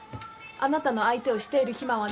あなたの相手をしている暇は。